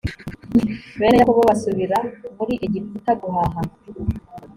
bene yakobo basubira muri egiputa guhaha.